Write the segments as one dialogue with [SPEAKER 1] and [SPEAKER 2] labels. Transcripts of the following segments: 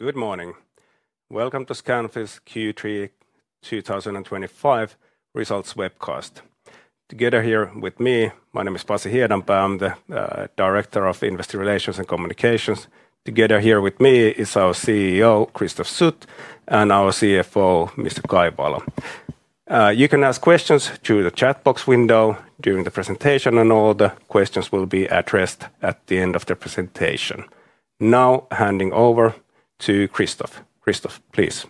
[SPEAKER 1] Good morning. Welcome to Scanfil's Q3 2025 results webcast. Together here with me, my name is Pasi Hiedanpää. I'm the Director of Investor Relations and Communications. Together here with me is our CEO, Christophe Sut, and our CFO, Mr. Kai Valo. You can ask questions through the chat box window during the presentation, and all the questions will be addressed at the end of the presentation. Now, handing over to Christophe. Christophe, please.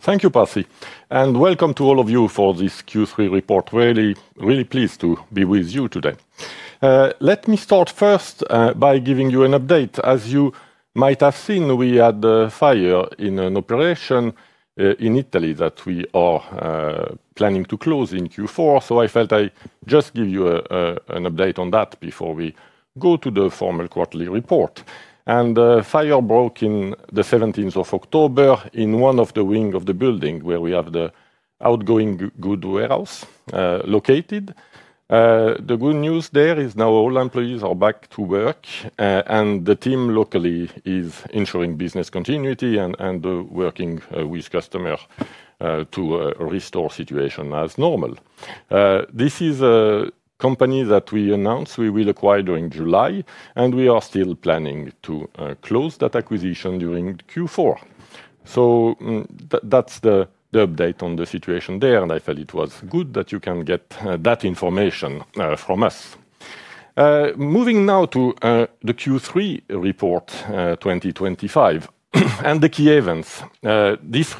[SPEAKER 2] Thank you, Pasi, and welcome to all of you for this Q3 report. Really, really pleased to be with you today. Let me start first by giving you an update. As you might have seen, we had a fire in an operation in Italy that we are planning to close in Q4. I felt I'd just give you an update on that before we go to the formal quarterly report. The fire broke on the 17th of October in one of the wings of the building where we have the outgoing goods warehouse located. The good news there is now all employees are back to work, and the team locally is ensuring business continuity and working with customers to restore the situation as normal. This is a company that we announced we will acquire during July, and we are still planning to close that acquisition during Q4. That's the update on the situation there, and I felt it was good that you can get that information from us. Moving now to the Q3 report 2025 and the key events. This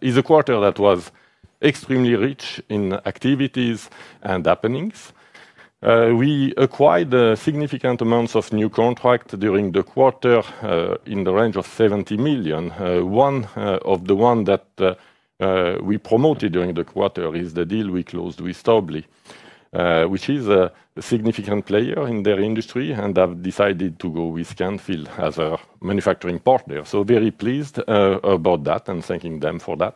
[SPEAKER 2] is a quarter that was extremely rich in activities and happenings. We acquired significant amounts of new contracts during the quarter in the range of 70 million. One of the ones that we promoted during the quarter is the deal we closed with Stäubli, which is a significant player in their industry and has decided to go with Scanfil as a manufacturing partner. Very pleased about that and thanking them for that.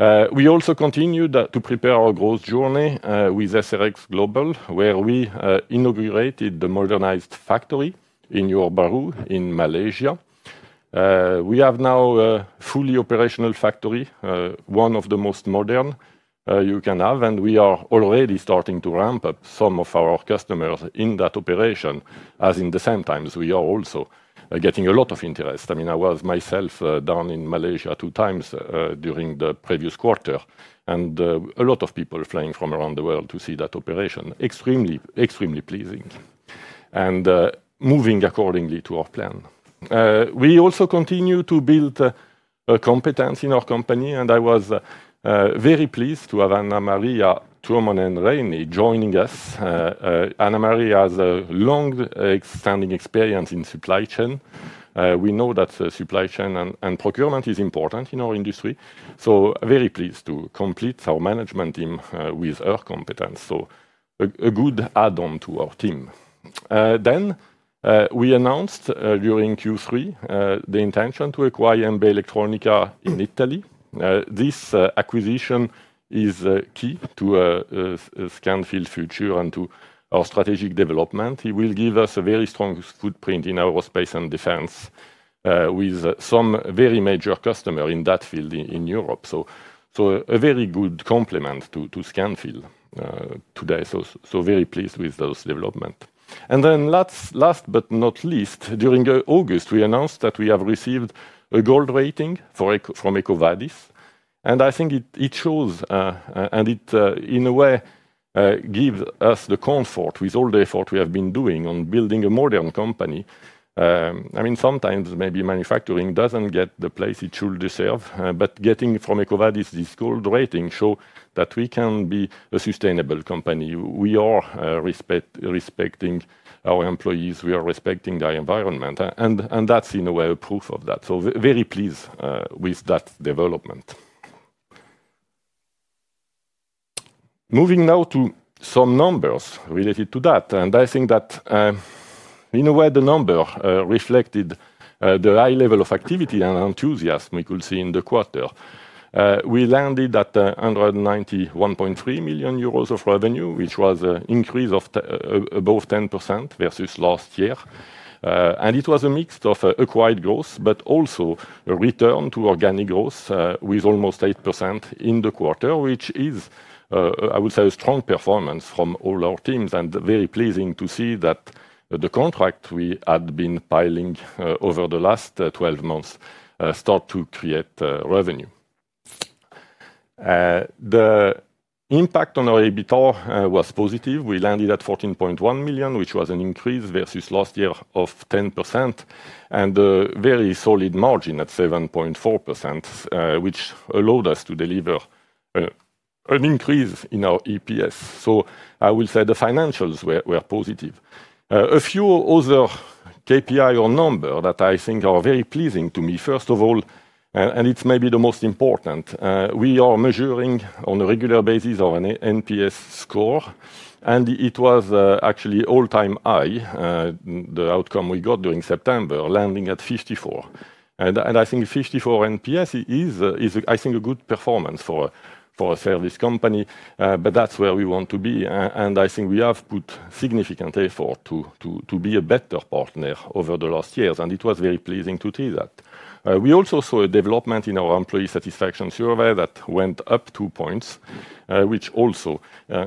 [SPEAKER 2] We also continued to prepare our growth journey with SRX Global, where we inaugurated the modernized factory in Johor Bahru in Malaysia. We have now a fully operational factory, one of the most modern you can have, and we are already starting to ramp up some of our customers in that operation. At the same time, we are also getting a lot of interest. I was myself down in Malaysia two times during the previous quarter, and a lot of people flying from around the world to see that operation. Extremely, extremely pleasing and moving accordingly to our plan. We also continue to build competence in our company, and I was very pleased to have Anna-Maria (Mari) Tuominen-Reini joining us. Anna-Maria has a long-standing experience in supply chain. We know that supply chain and procurement are important in our industry. Very pleased to complete our management team with her competence. A good add-on to our team. We announced during Q3 the intention to acquire MB Elettronica in Italy. This acquisition is key to Scanfil's future and to our strategic development. It will give us a very strong footprint in aerospace and defense with some very major customers in that field in Europe. A very good complement to Scanfil today. Very pleased with those developments. Last but not least, during August, we announced that we have received a gold rating from EcoVadis. I think it shows, and it in a way gives us the comfort with all the effort we have been doing on building a modern company. Sometimes maybe manufacturing doesn't get the place it should deserve, but getting from EcoVadis this gold rating shows that we can be a sustainable company. We are respecting our employees. We are respecting the environment. That's in a way a proof of that. Very pleased with that development. Moving now to some numbers related to that. I think that in a way the number reflected the high level of activity and enthusiasm we could see in the quarter. We landed at 191.3 million euros of revenue, which was an increase of above 10% versus last year. It was a mix of acquired growth, but also a return to organic growth with almost 8% in the quarter, which is, I would say, a strong performance from all our teams. Very pleasing to see that the contracts we had been piling over the last 12 months start to create revenue. The impact on our EBITDA was positive. We landed at 14.1 million, which was an increase versus last year of 10%. A very solid margin at 7.4%, which allowed us to deliver an increase in our EPS. I would say the financials were positive. A few other KPIs or numbers that I think are very pleasing to me. First of all, and it's maybe the most important, we are measuring on a regular basis our NPS score. It was actually all-time high, the outcome we got during September, landing at 54 NPS. I think 54 NPS is, I think, a good performance for a service company. That's where we want to be. I think we have put significant effort to be a better partner over the last years. It was very pleasing to see that. We also saw a development in our employee satisfaction survey that went up two points, which also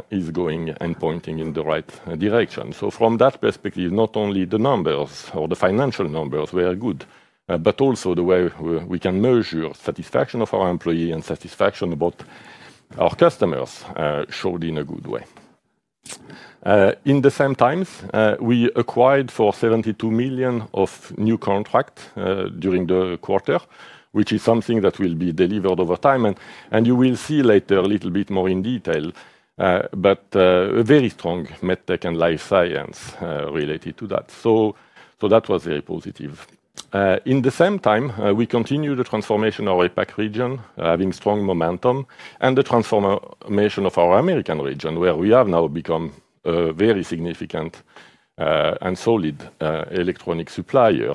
[SPEAKER 2] is going and pointing in the right direction. From that perspective, not only the numbers or the financial numbers were good, but also the way we can measure satisfaction of our employees and satisfaction about our customers showed in a good way. In the same times, we acquired 72 million of new contracts during the quarter, which is something that will be delivered over time. You will see later a little bit more in detail, but a very strong MedTech and Life Science related to that. That was very positive. In the same time, we continue the transformation of our APAC region, having strong momentum, and the transformation of our American region, where we have now become a very significant and solid electronic supplier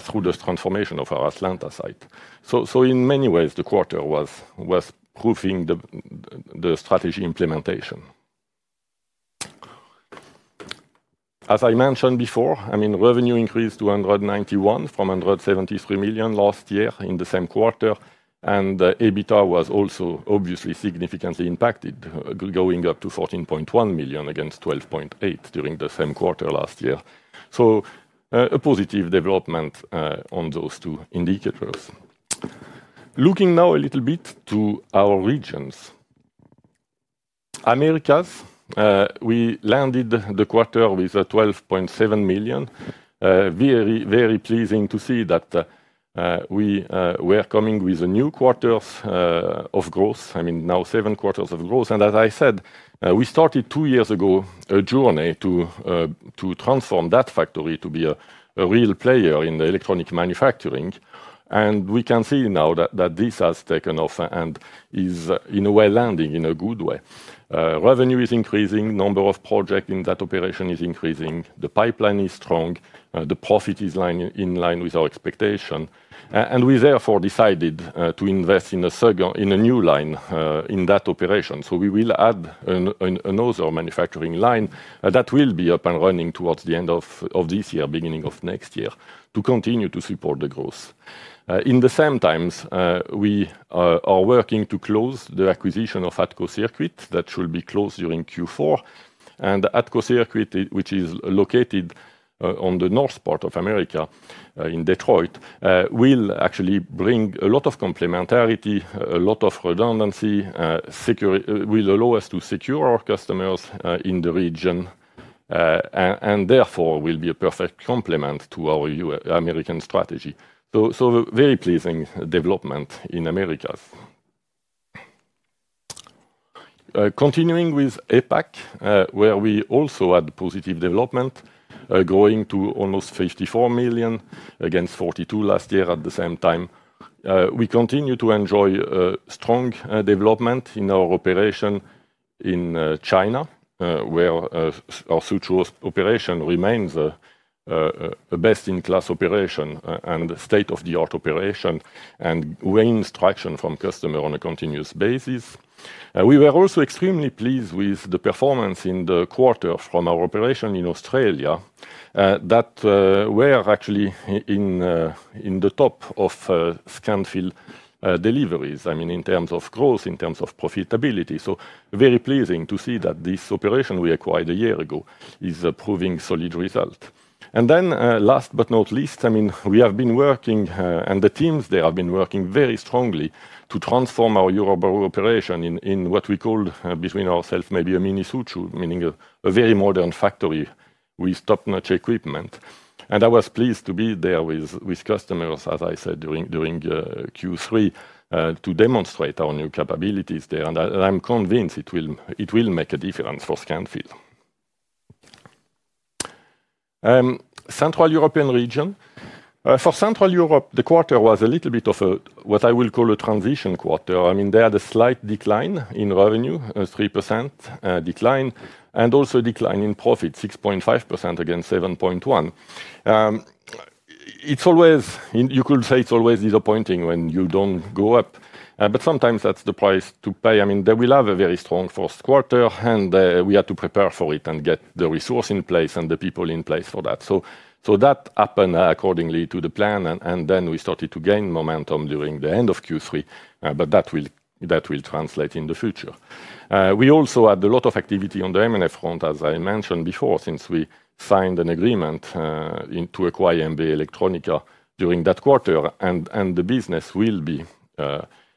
[SPEAKER 2] through the transformation of our Atlanta site. In many ways, the quarter was proofing the strategy implementation. As I mentioned before, revenue increased to 191 million from 173 million last year in the same quarter. EBITDA was also obviously significantly impacted, going up to 14.1 million against 12.8 million during the same quarter last year. A positive development on those two indicators. Looking now a little bit to our regions. Americas, we landed the quarter with 12.7 million. Very, very pleasing to see that we were coming with new quarters of growth. Now seven quarters of growth. As I said, we started two years ago a journey to transform that factory to be a real player in the electronic manufacturing. We can see now that this has taken off and is in a way landing in a good way. Revenue is increasing. The number of projects in that operation is increasing. The pipeline is strong. The profit is in line with our expectation. We therefore decided to invest in a new line in that operation. We will add another manufacturing line that will be up and running towards the end of this year, beginning of next year, to continue to support the growth. In the same times, we are working to close the acquisition of ADCO Circuits that should be closed during Q4. ADCO Circuits, which is located on the north part of America, in Detroit, will actually bring a lot of complementarity, a lot of redundancy, will allow us to secure our customers in the region. It will be a perfect complement to our American strategy. A very pleasing development in Americas. Continuing with APAC, where we also had positive development, growing to almost 54 million against 42 million last year at the same time. We continue to enjoy strong development in our operation in China, where our Suzhou operation remains a best-in-class operation and a state-of-the-art operation and gains traction from customers on a continuous basis. We were also extremely pleased with the performance in the quarter from our operation in Australia, that we are actually in the top of Scanfil deliveries. I mean, in terms of growth, in terms of profitability. Very pleasing to see that this operation we acquired a year ago is proving solid results. Last but not least, we have been working and the teams there have been working very strongly to transform our Europol operation in what we call between ourselves maybe a mini Suzhou, meaning a very modern factory with top-notch equipment. I was pleased to be there with customers, as I said, during Q3, to demonstrate our new capabilities there. I'm convinced it will make a difference for Scanfil. Central European region. For Central Europe, the quarter was a little bit of what I will call a transition quarter. They had a slight decline in revenue, a 3% decline, and also a decline in profit, 6.5% against 7.1%. You could say it's always disappointing when you don't go up. Sometimes that's the price to pay. They will have a very strong first quarter, and we had to prepare for it and get the resource in place and the people in place for that. That happened accordingly to the plan. We started to gain momentum during the end of Q3. That will translate in the future. We also had a lot of activity on the M&A front, as I mentioned before, since we signed an agreement to acquire MB Elettronica during that quarter. The business will be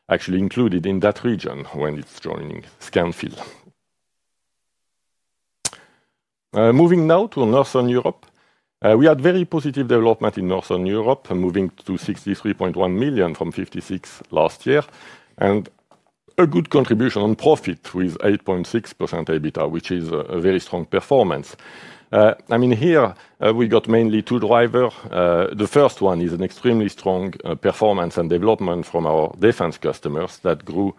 [SPEAKER 2] actually included in that region when it's joining Scanfil. Moving now to Northern Europe. We had very positive development in Northern Europe, moving to 63.1 million from 56 million last year. A good contribution on profit with 8.6% EBITDA, which is a very strong performance. Here we got mainly two drivers. The first one is an extremely strong performance and development from our defense customers that grew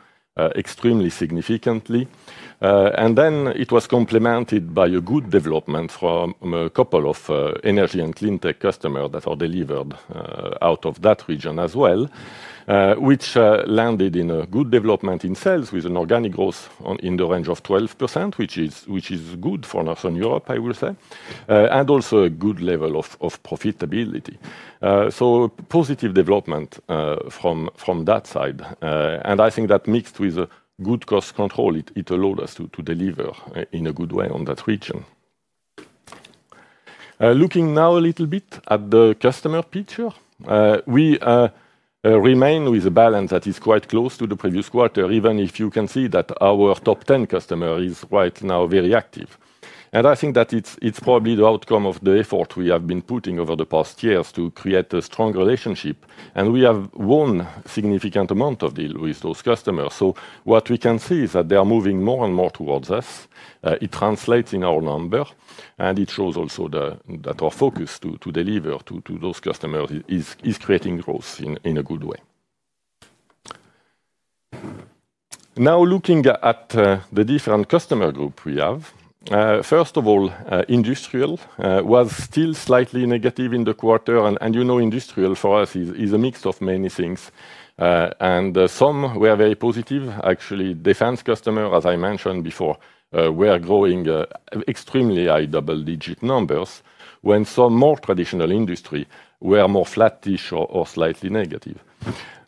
[SPEAKER 2] extremely significantly. It was complemented by a good development from a couple of energy and cleantech customers that are delivered out of that region as well, which landed in a good development in sales with an organic growth in the range of 12%, which is good for Northern Europe, I would say, and also a good level of profitability. Positive development from that side. I think that mixed with good cost control, it allowed us to deliver in a good way on that region. Looking now a little bit at the customer picture, we remain with a balance that is quite close to the previous quarter, even if you can see that our top 10 customer is right now very active. I think that it's probably the outcome of the effort we have been putting over the past years to create a strong relationship. We have won a significant amount of deals with those customers. What we can see is that they are moving more and more towards us. It translates in our number, and it shows also that our focus to deliver to those customers is creating growth in a good way. Now looking at the different customer groups we have. First of all, industrial was still slightly negative in the quarter. You know, industrial for us is a mix of many things, and some were very positive. Actually, defense customers, as I mentioned before, were growing extremely high double-digit numbers, when some more traditional industries were more flat-ish or slightly negative.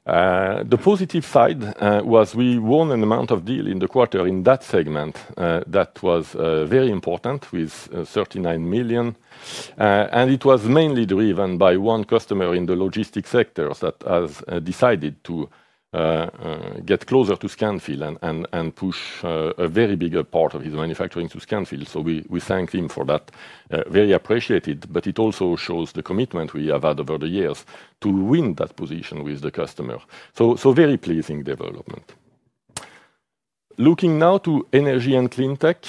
[SPEAKER 2] The positive side was we won an amount of deals in the quarter in that segment that was very important, with 39 million. It was mainly driven by one customer in the logistics sector that has decided to get closer to Scanfil and push a very big part of his manufacturing to Scanfil. We thank him for that. Very appreciated. It also shows the commitment we have had over the years to win that position with the customer. Very pleasing development. Looking now to energy and cleantech,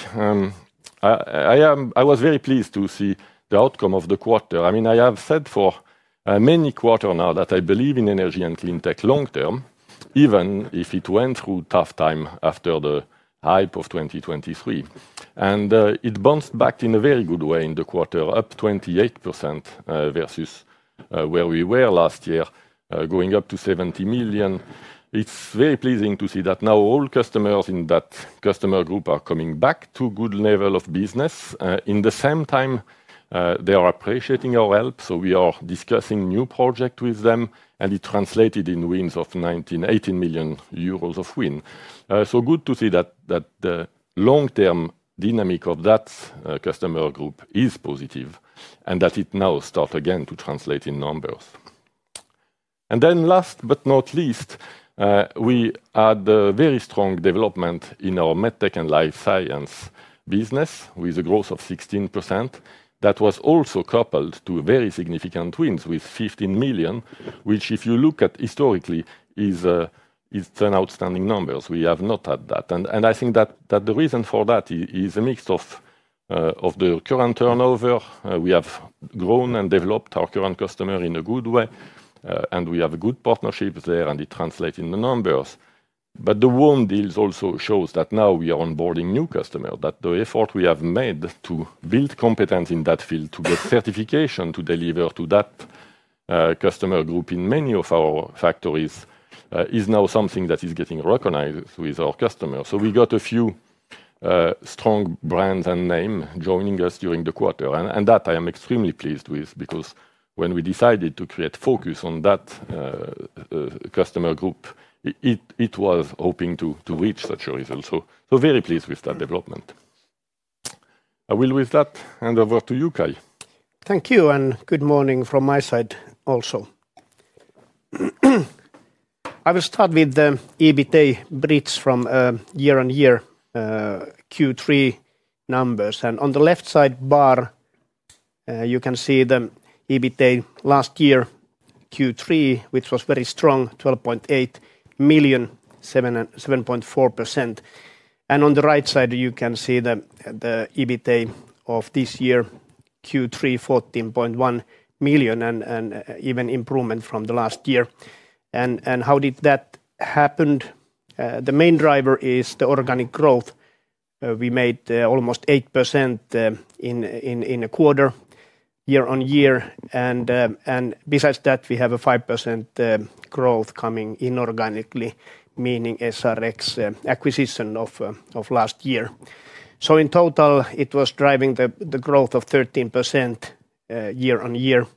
[SPEAKER 2] I was very pleased to see the outcome of the quarter. I mean, I have said for many quarters now that I believe in energy and cleantech long-term, even if it went through tough times after the hype of 2023. It bounced back in a very good way in the quarter, up 28% versus where we were last year, going up to 70 million. It's very pleasing to see that now all customers in that customer group are coming back to a good level of business. In the same time, they are appreciating our help. We are discussing new projects with them, and it translated in wins of 18 million euros of win. Good to see that the long-term dynamic of that customer group is positive, and that it now starts again to translate in numbers. Last but not least, we had a very strong development in our MedTech and Life Science business, with a growth of 16%. That was also coupled to very significant wins with 15 million, which if you look at historically, is an outstanding number. We have not had that. I think that the reason for that is a mix of the current turnover. We have grown and developed our current customer in a good way. We have good partnerships there, and it translates in the numbers. The warm deals also show that now we are onboarding new customers. The effort we have made to build competence in that field, to get certification to deliver to that customer group in many of our factories, is now something that is getting recognized with our customers. We got a few strong brands and names joining us during the quarter. I am extremely pleased with that, because when we decided to create focus on that customer group, it was hoping to reach such a result. I am very pleased with that development. I will with that hand over to you, Kai.
[SPEAKER 3] Thank you, and good morning from my side also. I will start with the EBITDA bridge from year-on-year Q3 numbers. On the left-side bar, you can see the EBITDA last year Q3, which was very strong, 12.8 million, 7.4%. On the right side, you can see the EBITDA of this year Q3, 14.1 million, and even improvement from the last year. How did that happen? The main driver is the organic growth. We made almost 8% in a quarter, year-on-year. Besides that, we have a 5% growth coming inorganically, meaning SRX acquisition of last year. In total, it was driving the growth of 13% year-on-year.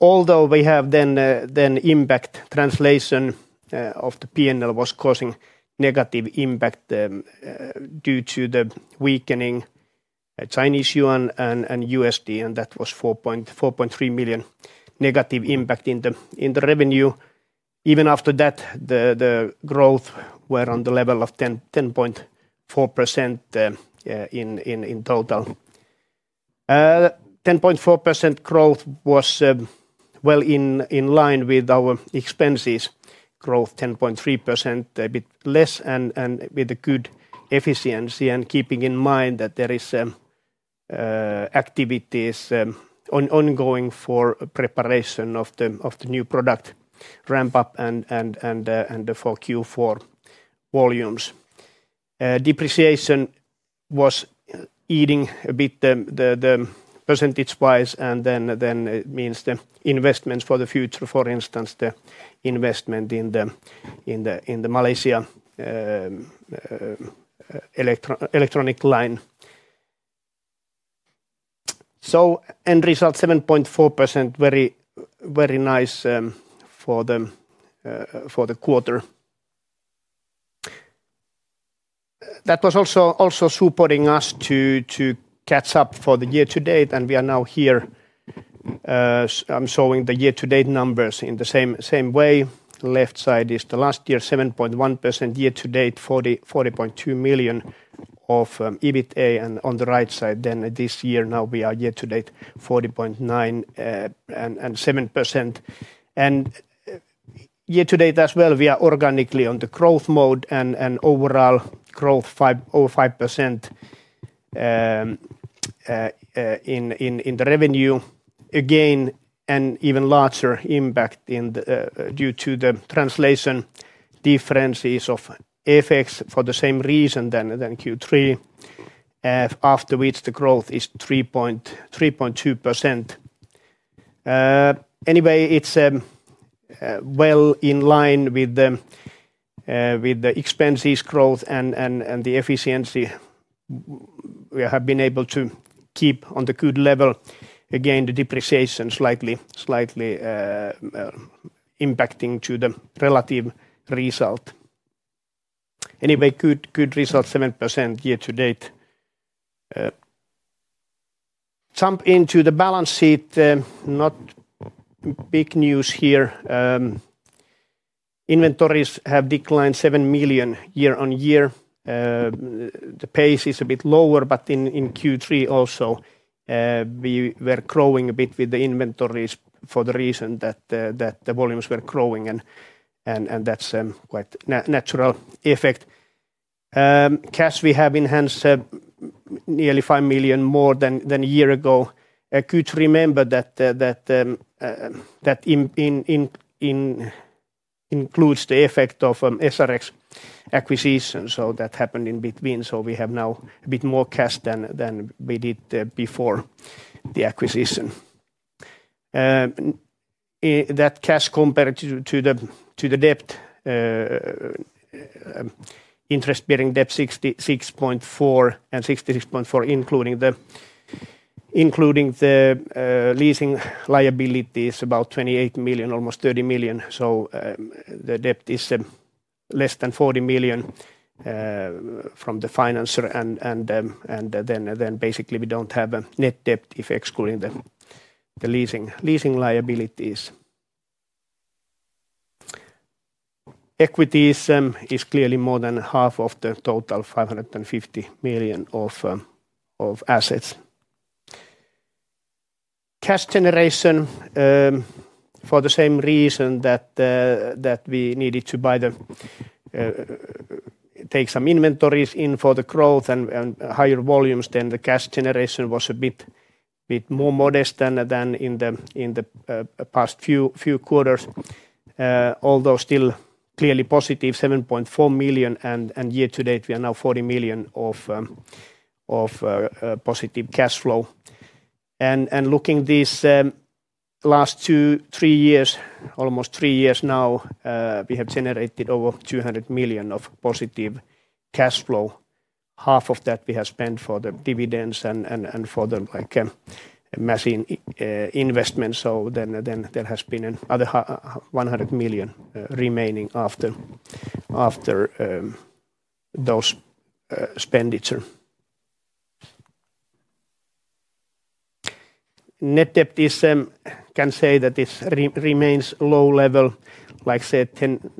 [SPEAKER 3] Although we have then impact translation of the P&L was causing negative impact due to the weakening Chinese Yuan and USD, and that was 4.3 million negative impact in the revenue. Even after that, the growth was on the level of 10.4% in total. 10.4% growth was well in line with our expenses growth, 10.3% a bit less, and with a good efficiency, and keeping in mind that there are activities ongoing for preparation of the new product ramp-up and for Q4 volumes. Depreciation was eating a bit the percentage-wise, and it means the investments for the future, for instance, the investment in the Malaysia electronic line. End result 7.4%, very nice for the quarter. That was also supporting us to catch up for the year-to-date, and we are now here. I'm showing the year-to-date numbers in the same way. Left side is the last year, 7.1% year-to-date, 40.2 million of EBITDA, and on the right side then this year, now we are year-to-date 7.97%. Year-to-date as well, we are organically on the growth mode, and overall growth over 5% in the revenue. Again, an even larger impact due to the translation differences of FX for the same reason than Q3, after which the growth is 3.2%. Anyway, it's well in line with the expenses growth and the efficiency. We have been able to keep on the good level. Again, the depreciation is slightly impacting to the relative result. Anyway, good result 7% year-to-date. Jump into the balance sheet. Not big news here. Inventories have declined 7 million year-on-year. The pace is a bit lower, but in Q3 also, we were growing a bit with the inventories for the reason that the volumes were growing, and that's a quite natural effect. Cash, we have enhanced nearly 5 million more than a year ago. Good to remember that that includes the effect of SRX acquisition. That happened in between. We have now a bit more cash than we did before the acquisition. That cash compared to the debt, interest-bearing debt 66.4%, including the leasing liabilities, about 28 million, almost 30 million. The debt is less than 40 million from the financer, and basically we don't have a net debt if excluding the leasing liabilities. Equity is clearly more than half of the total, 550 million of assets. Cash generation, for the same reason that we needed to buy the take some inventories in for the growth and higher volumes, the cash generation was a bit more modest than in the past few quarters. Although still clearly positive, 7.4 million, and year-to-date we are now 40 million of positive cash flow. Looking at these last two or three years, almost three years now, we have generated over 200 million of positive cash flow. Half of that we have spent for the dividends and for the machine investment. There has been another 100 million remaining after those spenditures. Net debt, can say that it remains low level, like I said,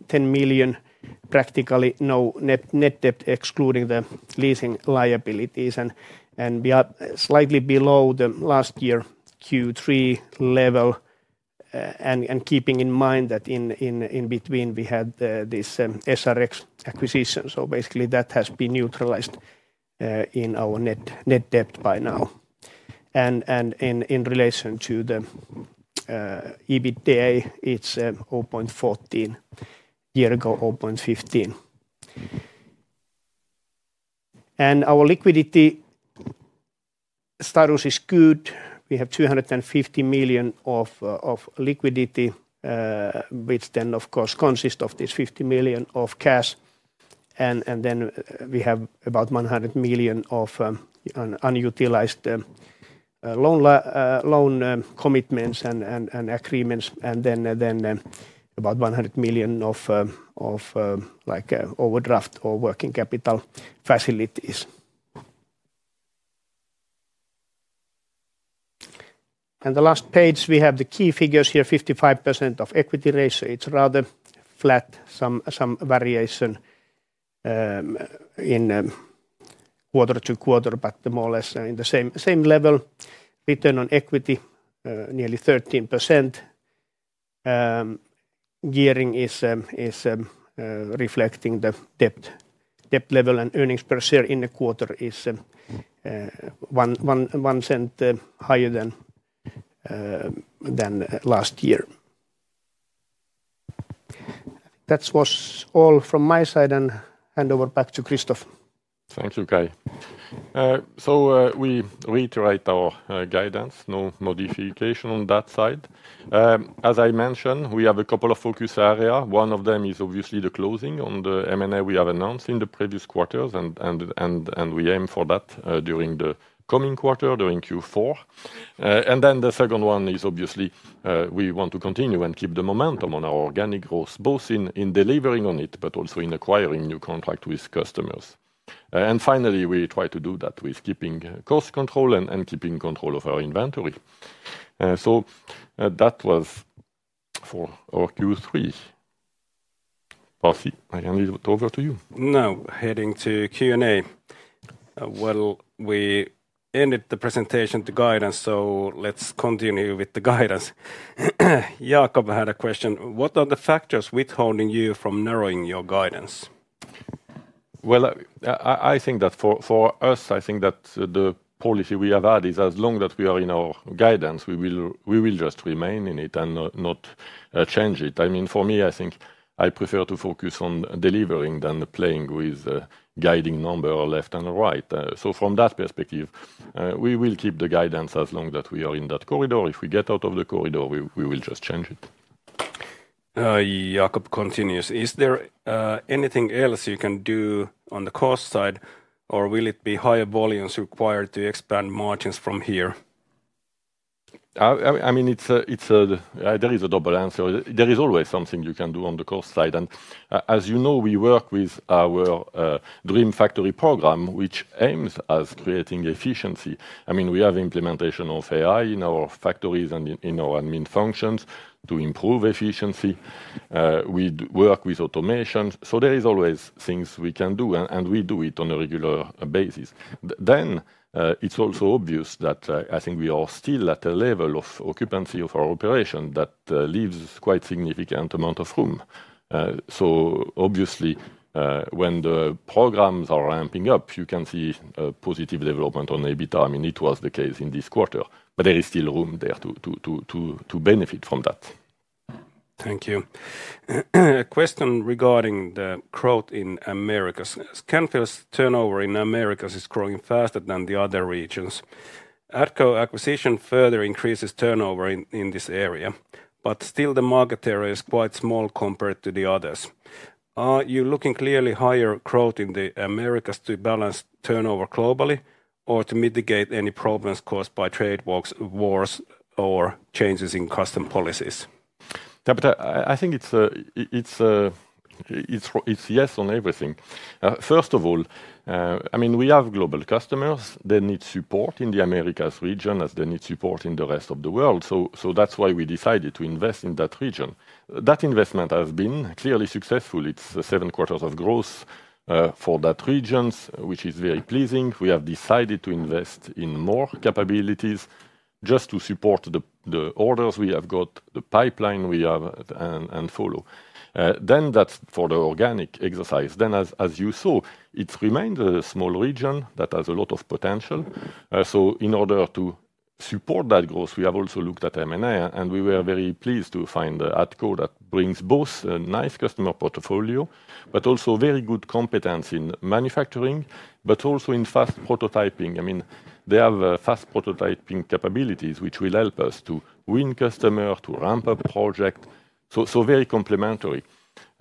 [SPEAKER 3] 10 million, practically no net debt excluding the leasing liabilities. We are slightly below the last year Q3 level, and keeping in mind that in between we had this SRX Global acquisition. Basically that has been neutralized in our net debt by now. In relation to the EBITDA, it's 0.14, year ago 0.15. Our liquidity status is good. We have 250 million of liquidity, which then of course consists of this 50 million of cash. We have about 100 million of unutilized loan commitments and agreements, and about 100 million of overdraft or working capital facilities. The last page, we have the key figures here, 55% of equity rates. It's rather flat, some variation in quarter to quarter, but more or less in the same level. Return on equity, nearly 13%. Gearing is reflecting the debt level, and earnings per share in the quarter is $0.01 higher than last year. That was all from my side, and hand over back to Christophe.
[SPEAKER 2] Thank you, Kai. We reiterate our guidance, no modification on that side. As I mentioned, we have a couple of focus areas. One of them is obviously the closing on the M&A we have announced in the previous quarters, and we aim for that during the coming quarter, during Q4. The second one is obviously we want to continue and keep the momentum on our organic growth, both in delivering on it, but also in acquiring new contracts with customers. Finally, we try to do that with keeping cost control and keeping control of our inventory. That was for our Q3. Pasi, I hand it over to you.
[SPEAKER 1] Now heading to Q&A. We ended the presentation to guidance, so let's continue with the guidance. Jakob had a question. What are the factors withholding you from narrowing your guidance?
[SPEAKER 2] I think that for us, I think that the policy we have had is as long as we are in our guidance, we will just remain in it and not change it. I mean, for me, I think I prefer to focus on delivering than playing with guiding numbers left and right. From that perspective, we will keep the guidance as long as we are in that corridor. If we get out of the corridor, we will just change it.
[SPEAKER 1] Jakob continues. Is there anything else you can do on the cost side, or will it be higher volumes required to expand margins from here?
[SPEAKER 2] There is a double answer. There is always something you can do on the cost side. As you know, we work with our Dream Factory program, which aims at creating efficiency. We have implementation of AI in our factories and in our admin functions to improve efficiency. We work with automation. There are always things we can do, and we do it on a regular basis. It is also obvious that I think we are still at a level of occupancy of our operation that leaves quite a significant amount of room. When the programs are ramping up, you can see positive development on EBITDA. It was the case in this quarter, but there is still room there to benefit from that.
[SPEAKER 1] Thank you. A question regarding the growth in the Americas. Scanfil's turnover in the Americas is growing faster than the other regions. ADCO acquisition further increases turnover in this area, but still the market area is quite small compared to the others. Are you looking clearly at higher growth in the Americas to balance turnover globally or to mitigate any problems caused by trade wars or changes in custom policies?
[SPEAKER 2] I think it's yes on everything. First of all, I mean, we have global customers. They need support in the Americas region as they need support in the rest of the world. That's why we decided to invest in that region. That investment has been clearly successful. It's seven quarters of growth for that region, which is very pleasing. We have decided to invest in more capabilities just to support the orders we have got, the pipeline we have and follow. That's for the organic exercise. As you saw, it remains a small region that has a lot of potential. In order to support that growth, we have also looked at M&A, and we were very pleased to find ADCO that brings both a nice customer portfolio, but also very good competence in manufacturing, but also in fast prototyping. I mean, they have fast prototyping capabilities, which will help us to win customers, to ramp up projects. Very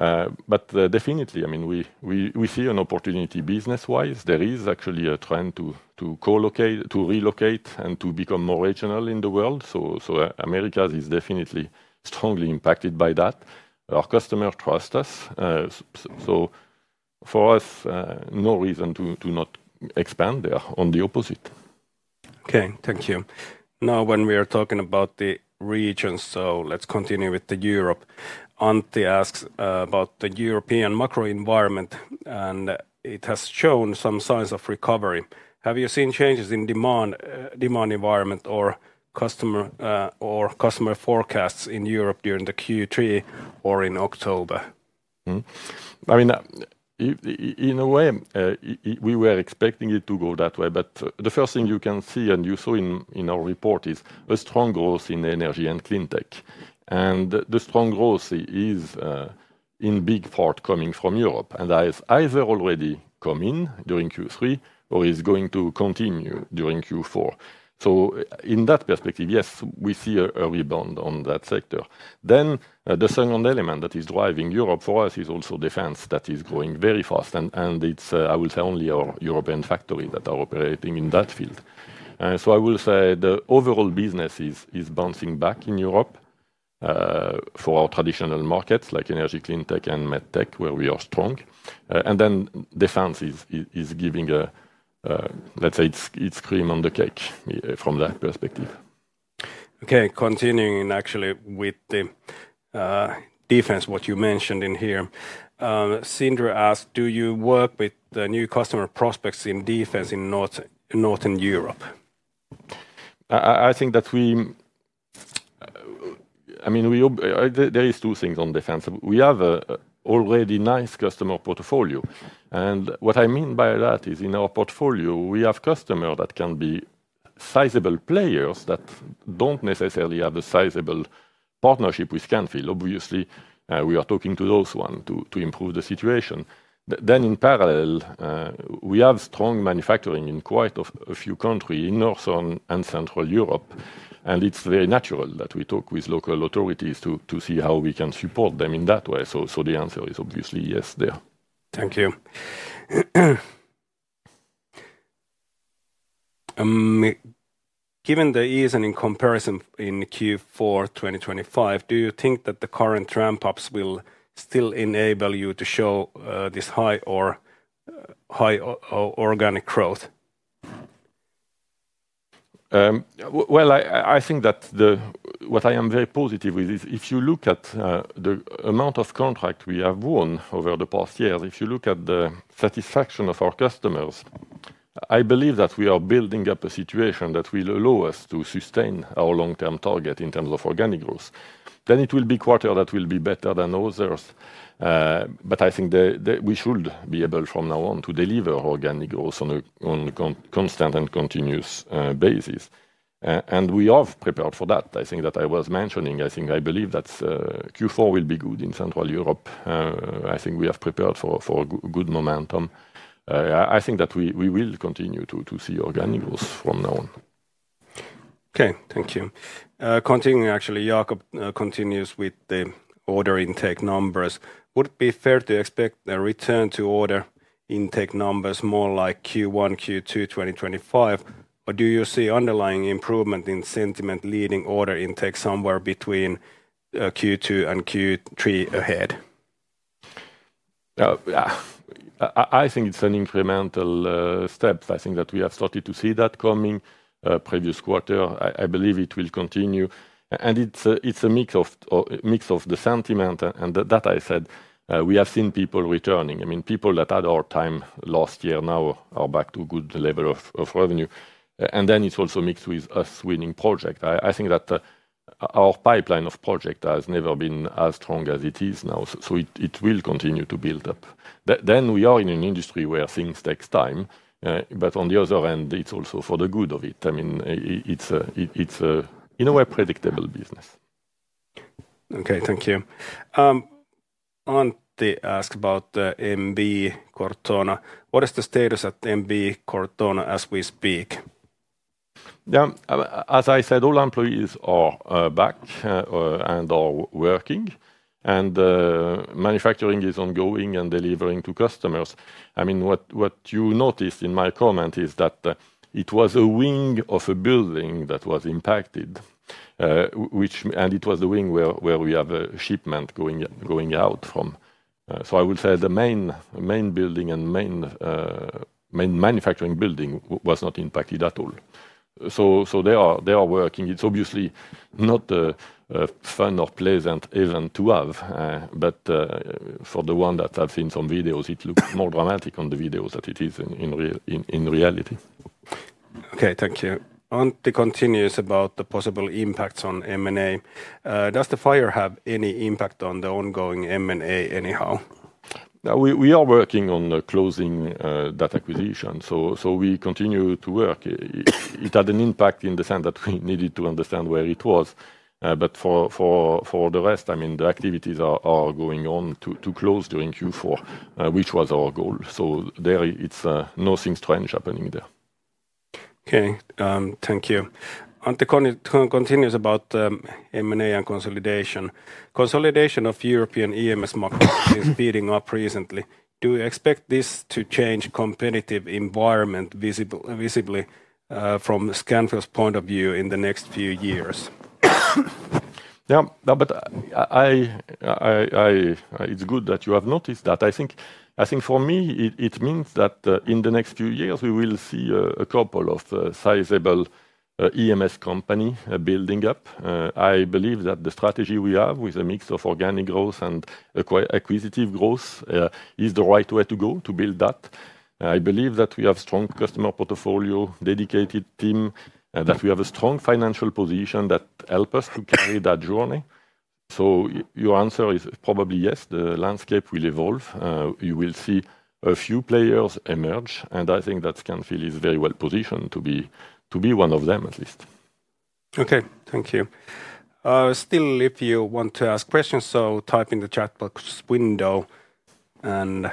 [SPEAKER 2] complementary. Definitely, I mean, we see an opportunity business-wise. There is actually a trend to relocate and to become more regional in the world. Americas is definitely strongly impacted by that. Our customers trust us. For us, no reason to not expand. They are on the opposite.
[SPEAKER 1] Okay, thank you. Now, when we are talking about the regions, let's continue with Europe. Antti asks about the European macro environment, and it has shown some signs of recovery. Have you seen changes in the demand environment or customer forecasts in Europe during Q3 or in October?
[SPEAKER 2] I mean, in a way, we were expecting it to go that way. The first thing you can see and you saw in our report is a strong growth in energy and cleantech. The strong growth is in big part coming from Europe, and that has either already come in during Q3 or is going to continue during Q4. In that perspective, yes, we see a rebound on that sector. The second element that is driving Europe for us is also defense that is growing very fast. It's, I would say, only our European factories that are operating in that field. I would say the overall business is bouncing back in Europe for our traditional markets like energy, cleantech, and MedTech, where we are strong. Defense is giving, let's say, its cream on the cake from that perspective.
[SPEAKER 1] Okay, continuing actually with the defense, what you mentioned in here. Sindre asks, do you work with the new customer prospects in defense in Northern Europe?
[SPEAKER 2] I think that we, I mean, there are two things on defense. We have already a nice customer portfolio. What I mean by that is in our portfolio, we have customers that can be sizable players that don't necessarily have a sizable partnership with Scanfil. Obviously, we are talking to those ones to improve the situation. In parallel, we have strong manufacturing in quite a few countries in Northern and Central Europe. It is very natural that we talk with local authorities to see how we can support them in that way. The answer is obviously yes there.
[SPEAKER 1] Thank you. Given the ease and in comparison in Q4 2025, do you think that the current ramp-ups will still enable you to show this high organic growth?
[SPEAKER 2] I think that what I am very positive with is if you look at the amount of contracts we have won over the past years, if you look at the satisfaction of our customers, I believe that we are building up a situation that will allow us to sustain our long-term target in terms of organic growth. It will be a quarter that will be better than others. I think that we should be able from now on to deliver organic growth on a constant and continuous basis. We are prepared for that. I think that I was mentioning, I believe that Q4 will be good in Central Europe. I think we have prepared for good momentum. I think that we will continue to see organic growth from now on.
[SPEAKER 1] Okay, thank you. Continuing, Jakob continues with the order intake numbers. Would it be fair to expect a return to order intake numbers more like Q1, Q2 2025, or do you see underlying improvement in sentiment leading order intake somewhere between Q2 and Q3 ahead?
[SPEAKER 2] I think it's an incremental step. I think that we have started to see that coming in the previous quarter. I believe it will continue. It's a mix of the sentiment and that I said. We have seen people returning. I mean, people that had our time last year now are back to a good level of revenue. It's also mixed with us winning projects. I think that our pipeline of projects has never been as strong as it is now. It will continue to build up. We are in an industry where things take time. On the other end, it's also for the good of it. I mean, it's in a way a predictable business.
[SPEAKER 1] Okay, thank you. Antti asks about MB Cortona. What is the status at MB Cortona as we speak?
[SPEAKER 2] Yeah, as I said, all employees are back and are working. Manufacturing is ongoing and delivering to customers. What you noticed in my comment is that it was a wing of a building that was impacted. It was the wing where we have a shipment going out from. I would say the main building and main manufacturing building was not impacted at all. They are working. It's obviously not a fun or pleasant event to have. For the ones that have seen some videos, it looks more dramatic on the videos than it is in reality.
[SPEAKER 1] Okay, thank you. Antti continues about the possible impacts on M&A. Does the fire have any impact on the ongoing M&A anyhow?
[SPEAKER 2] We are working on closing that acquisition. We continue to work. It had an impact in the sense that we needed to understand where it was. For the rest, the activities are going on to close during Q4, which was our goal. There is nothing strange happening there.
[SPEAKER 1] Okay, thank you. Antti continues about M&A and consolidation. Consolidation of European EMS markets is speeding up recently. Do you expect this to change the competitive environment visibly from Scanfil's point of view in the next few years?
[SPEAKER 2] Yeah, it's good that you have noticed that. I think for me, it means that in the next few years, we will see a couple of sizable EMS companies building up. I believe that the strategy we have with a mix of organic growth and acquisitive growth is the right way to go to build that. I believe that we have a strong customer portfolio, a dedicated team, and that we have a strong financial position that helps us to carry that journey. Your answer is probably yes. The landscape will evolve. You will see a few players emerge. I think that Scanfil is very well-positioned to be one of them at least.
[SPEAKER 1] Okay, thank you. Still, if you want to ask questions, type in the chat box window and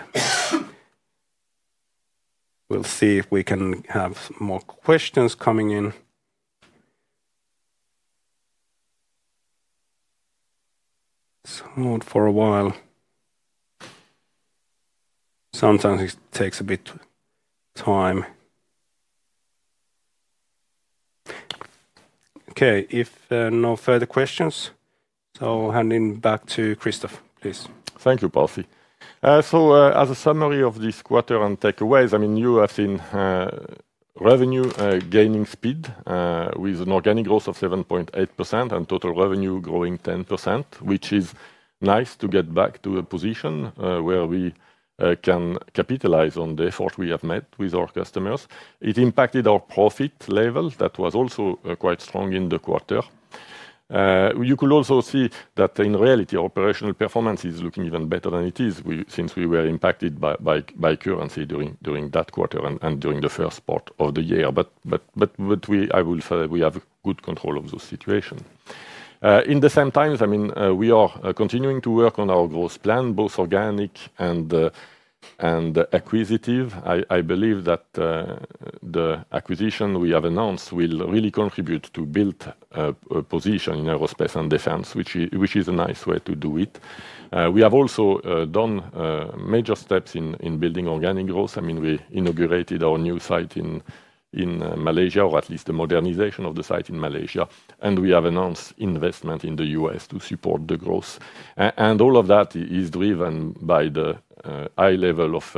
[SPEAKER 1] we'll see if we can have more questions coming in. It's hard for a while. Sometimes it takes a bit of time. Okay, if no further questions, handing back to Christophe, please.
[SPEAKER 2] Thank you, Pasi. As a summary of this quarter and takeaways, you have seen revenue gaining speed with an organic growth of 7.8% and total revenue growing 10%, which is nice to get back to a position where we can capitalize on the effort we have made with our customers. It impacted our profit level that was also quite strong in the quarter. You could also see that in reality, our operational performance is looking even better than it is since we were impacted by currency during that quarter and during the first part of the year. I would say that we have good control of the situation. At the same time, we are continuing to work on our growth plan, both organic and acquisitive. I believe that the acquisition we have announced will really contribute to build a position in aerospace and defense, which is a nice way to do it. We have also done major steps in building organic growth. We inaugurated our new site in Malaysia, or at least the modernization of the site in Malaysia. We have announced investment in the U.S. to support the growth. All of that is driven by the high level of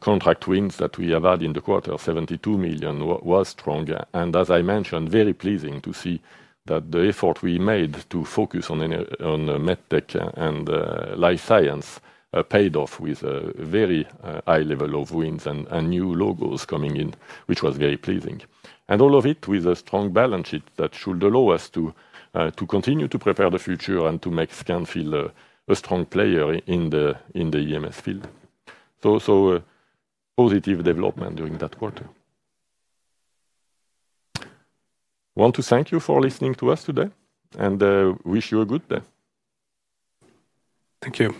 [SPEAKER 2] contract wins that we have had in the quarter. 72 million was strong. As I mentioned, very pleasing to see that the effort we made to focus on MedTech and Life Science paid off with a very high level of wins and new logos coming in, which was very pleasing. All of it with a strong balance sheet that should allow us to continue to prepare the future and to make Scanfil a strong player in the EMS field. Positive development during that quarter. I want to thank you for listening to us today and wish you a good day.
[SPEAKER 1] Thank you.